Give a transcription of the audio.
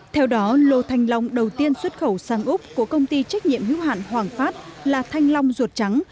theo đó lô thanh long đầu tiên xuất khẩu sang úc của công ty trách nhiệm hữu hạn hoàng phát là thanh long ruột trắng